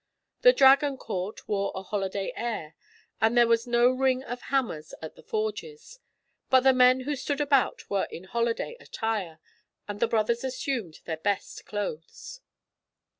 The Dragon Court wore a holiday air, and there was no ring of hammers at the forges; but the men who stood about were in holiday attire: and the brothers assumed their best clothes.